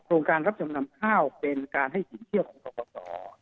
การรับจำนำข้าวเป็นการให้สินเชื่อของกรกต